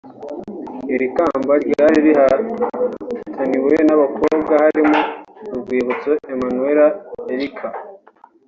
Iri kamba ryari rihataniwe n’abakobwa barimo Urwibutso Emmanuella Erica